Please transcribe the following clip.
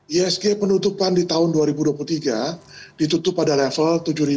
isg penutupan di tahun dua ribu dua puluh tiga ditutup pada level tujuh ribu dua ratus tujuh puluh dua delapan